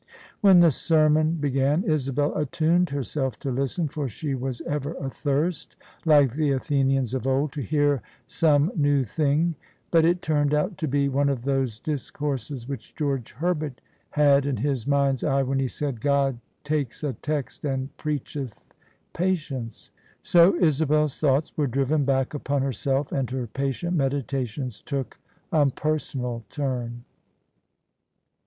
When the sermon began, Isabel attuned herself to listen, for she was ever athirst — ^like the Athenians of old — to hear some new thing: but it turned out to be one of those discourses which George Herbert had in his mind's eye when he said, " God takes a text and preacheth patience." So Isabel's thoughts were driven back upon her self: and her patient meditations took a personal turn.